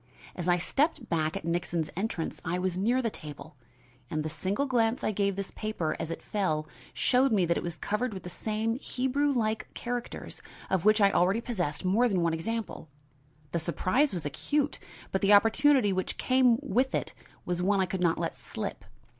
As I stepped back at Nixon's entrance I was near the table and the single glance I gave this paper as it fell showed me that it was covered with the same Hebrew like characters of which I already possessed more than one example. The surprise was acute, but the opportunity which came with it was one I could not let slip.